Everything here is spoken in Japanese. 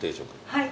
はい。